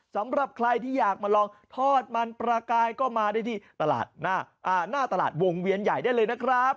สำหรับใครที่อยากมาลองทอดมันปลากายก็มาได้ที่ตลาดหน้าตลาดวงเวียนใหญ่ได้เลยนะครับ